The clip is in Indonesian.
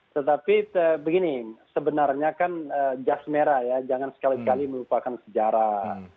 tetapi begini sebenarnya kan jas merah ya jangan sekali sekali melupakan sejarah